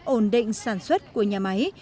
ổn định sản xuất của nhà máy